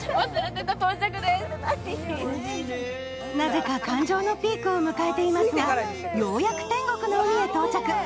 なぜか感情のピークを迎えていますが、ようやく天国の海へ到着。